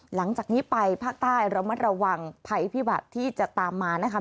หลังจากนี้ไปภาคใต้ระมัดระวังภัยพิบัติที่จะตามมานะคะ